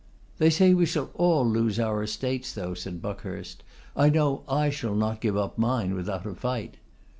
'They say we shall all lose our estates, though,' said Buckhurst; 'I know I shall not give up mine without a fight.